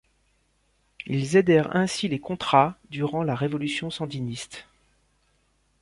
Ils aidèrent ainsi les Contras durant la révolution sandiniste.